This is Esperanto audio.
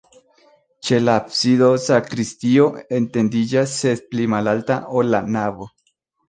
Ĉe la absido sakristio etendiĝas, sed pli malalta, ol la navo.